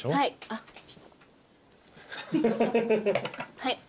はい。